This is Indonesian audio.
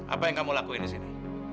apa yang kamu lakuin di sini